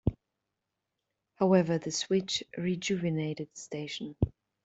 However, the switch rejuvenated the station.